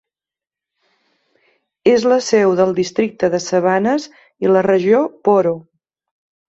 És la seu del Districte de Savanes i la Regió Poro.